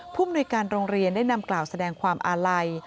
มนุยการโรงเรียนได้นำกล่าวแสดงความอาลัย